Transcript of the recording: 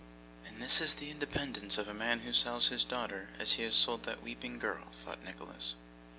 'And this is the independence of a man who sells his daughter as he has sold that weeping girl!' thought Nicholas.